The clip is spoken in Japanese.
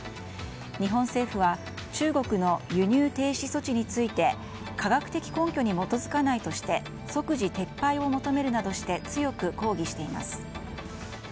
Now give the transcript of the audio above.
日本政府は中国の輸入停止措置について科学的根拠に基づかないとして即時撤廃を求めるなどして強く抗議しています。